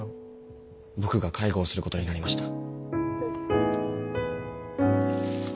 僕が介護をすることになりました。